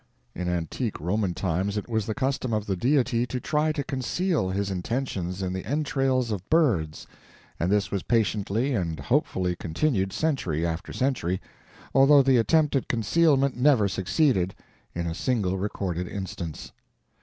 In antique Roman times it was the custom of the Deity to try to conceal His intentions in the entrails of birds, and this was patiently and hopefully continued century after century, although the attempted concealment never succeeded, in a single recorded instance.